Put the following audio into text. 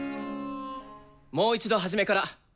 もう一度初めから。